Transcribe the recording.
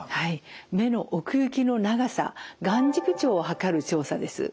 目の奥行きの長さ眼軸長を測る調査です。